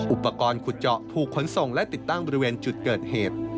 อุปกรณ์ขุดเจาะถูกขนส่งและติดตั้งบริเวณจุดเกิดเหตุ